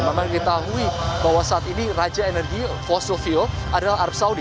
memang kita tahu bahwa saat ini raja energi fossil fuel adalah arab saudi